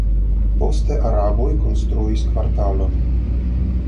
Poste araboj konstruis kvartalon.